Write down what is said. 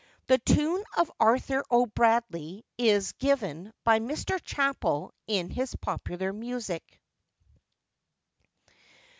The tune of Arthur O'Bradley is given by Mr. Chappell in his Popular Music.